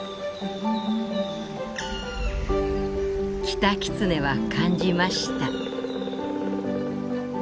「キタキツネは感じました」。